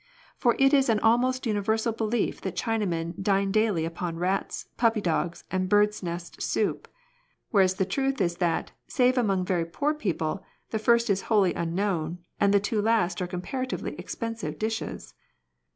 For it is an almost universal belief that Chinamen dine daily upon rats, puppy dogs, and birds' nest soup ; whereas the truth is that, save among very poor people, the first is wholly unknown, and the two last are comparatively expensive dishes.